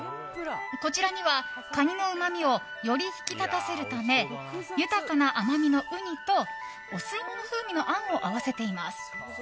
こちらには、カニのうまみをより引き立たせるため豊かな甘みのウニとお吸い物風味のあんを合わせています。